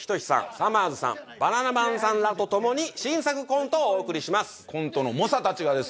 さまぁずさんバナナマンさんらとともに新作コントをお送りしますコントの猛者達がですね